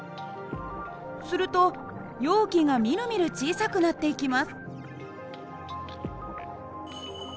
すると容器がみるみる小さくなっていきます。